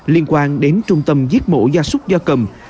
liên quan đến trung tâm giết mổ gia súc gia cầm